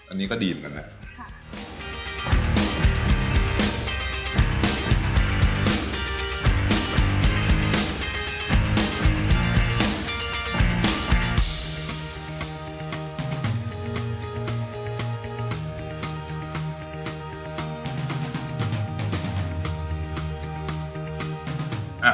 อันนี้ก็ดีเหมือนกันแหละ